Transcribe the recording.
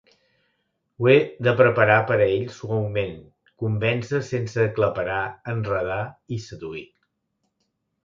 Ho he de preparar per a ells suaument, convèncer sense aclaparar, enredar i seduir.